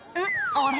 あれ？